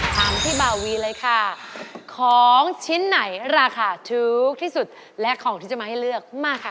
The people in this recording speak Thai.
ถามพี่บาวีเลยค่ะของชิ้นไหนราคาถูกที่สุดและของที่จะมาให้เลือกมาค่ะ